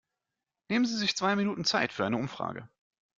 Nehmen Sie sich zwei Minuten Zeit für eine Umfrage.